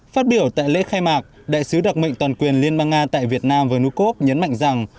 phát biểu tại lễ khai mạc đại sứ đặc mệnh toàn quyền liên bang nga tại việt nam vân nú cốc nhấn mạnh rằng